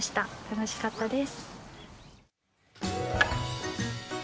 楽しかったです。